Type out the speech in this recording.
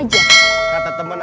jadi saya mau